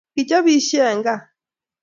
Kichobishei eng kaa